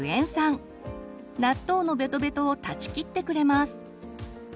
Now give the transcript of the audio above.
納豆のベトベトを断ち切ってくれます。